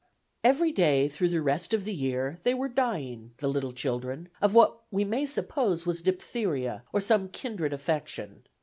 Every day through the rest of the year they were dying, the little children, of what we may suppose was diphtheria, or some kindred affection.